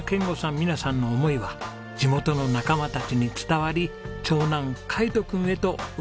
美奈さんの思いは地元の仲間たちに伝わり長男海斗君へと受け継がれています。